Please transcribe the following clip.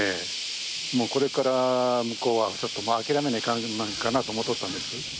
これから向こうはちょっともう諦めないかんかなと思うとったんです。